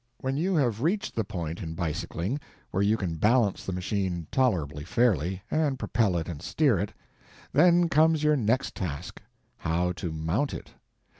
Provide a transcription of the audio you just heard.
When you have reached the point in bicycling where you can balance the machine tolerably fairly and propel it and steer it, then comes your next task—how to mount it.